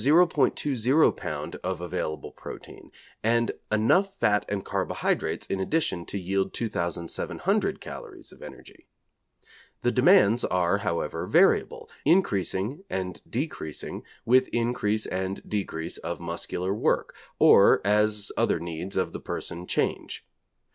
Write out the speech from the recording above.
20 pound of available protein, and enough fat and carbohydrates in addition to yield 2,700 calories of energy. The demands are, however, variable, increasing and decreasing with increase and decrease of muscular work, or as other needs of the person change.